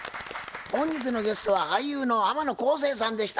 本日のゲストは俳優の天野浩成さんでした。